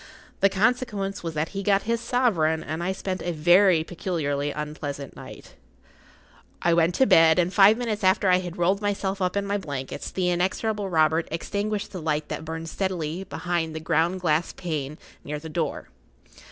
The consequence was that he got his sovereign, and I spent a very peculiarly unpleasant night.[Pg 40] I went to bed, and five minutes after I had rolled myself up in my blankets the inexorable Robert extinguished the light that burned steadily behind the ground glass pane near the door.